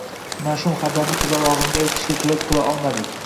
Mash'um xabarni qizalog'imga aytishga jur'at qila olmadik